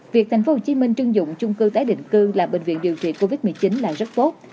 việc tp hcm trưng dụng chung cư tái định cư là bệnh viện điều trị covid một mươi chín là rất tốt